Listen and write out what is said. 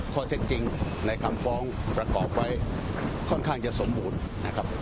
คอเทคจริงในคำฟ้องประกอบไว้ค่อนข้างจะสมบูรณ์